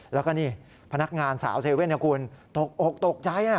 แล้วก็นี่พนักงานสาว๗๑๑นะครับคุณตกอกตกใจ